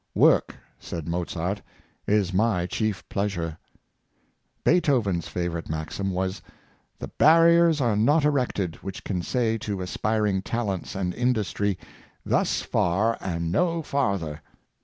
" Work," said Mo zart, *'is my chief pleasure." Beethoven's favorite maxim was, " The barriers are not erected which can say to aspiring talents and industry, ' Thus far and no farther.'